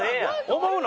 思うの？